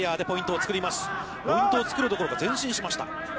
ポイントをつくるどころか前進しました。